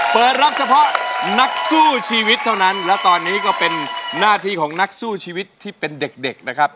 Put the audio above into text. เปิดรับเฉพาะนักสู้ชีวิตเท่านั้นและตอนนี้ก็เป็นหน้าที่ของนักสู้ชีวิตที่เป็นเด็กนะครับ